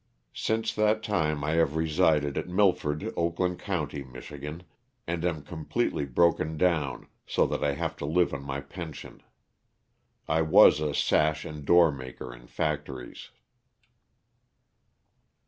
Since that time I have resided at Milford, Oakland county, Mich., and am completely broken down, so that I have to live on my pension. I was a sash and door maker in factories.